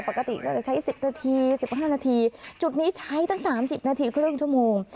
ปกติก็จะใช้๑๐นาที๑๕นาทีจุดนี้ใช้ตั้ง๓๐นาทีครึ่งชั่วโมง